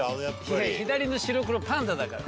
左の白黒パンダだから。